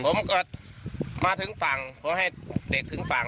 ผมก็มาถึงฝั่งขอให้เด็กถึงฝั่ง